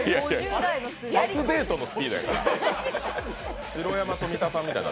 初デートのスピードやから。